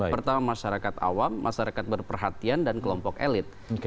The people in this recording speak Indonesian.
pertama masyarakat awam masyarakat berperhatian dan kelompok elit